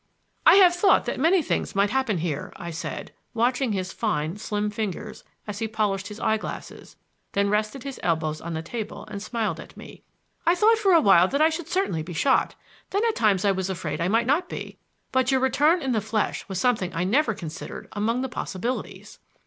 "I have thought that many things might happen here," I said, watching his fine, slim fingers, as he polished his eye glasses, then rested his elbows on the table and smiled at me. "I thought for a while that I should certainly be shot; then at times I was afraid I might not be; but your return in the flesh was something I never considered among the possibilities.